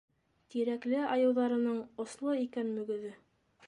Тирәкле айыуҙарының Осло икән мөгөҙө!